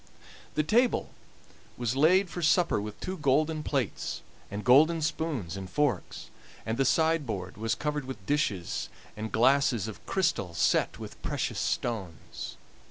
The table was laid for supper with two golden plates, and golden spoons and forks, and the sideboard was covered with dishes and glasses of crystal set with precious stones.